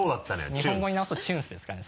日本語に直すと「チュンス」ですからね